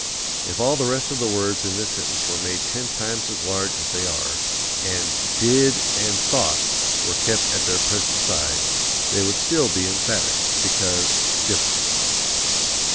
If all the rest of the words in this sentence were made ten times as large as they are, and DID and THOUGHT were kept at their present size, they would still be emphatic, because different.